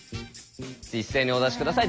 一斉にお出し下さい。